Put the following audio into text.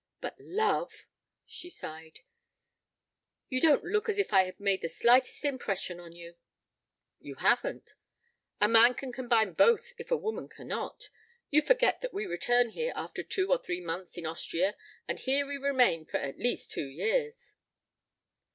But love!" She sighed. "You don't look as if I had made the slightest impression on you." "You haven't. A man can combine both if a woman cannot. You forget that we return here after two or three months in Austria, and here we remain for at least two years."